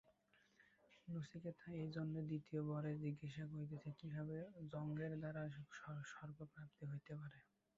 নচিকেতা এই জন্যই দ্বিতীয় বরে জিজ্ঞাসা করিতেছেন, কিভাবে যজ্ঞের দ্বারা স্বর্গপ্রাপ্তি হইতে পারে।